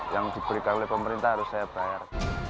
yang diberikan oleh pemerintah harus saya bayar